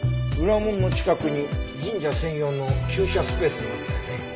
裏門の近くに神社専用の駐車スペースがあったよね。